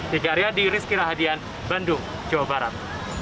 dikarya di rizkira hadian bandung jawa barat